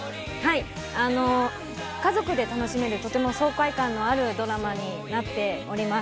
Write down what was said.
家族で楽しめる、とても爽快感のあるドラマになっております。